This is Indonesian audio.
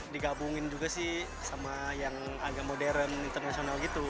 digabungin juga sih sama yang agak modern internasional gitu